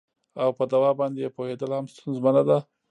او په دوا باندې یې پوهیدل هم ستونزمنه ده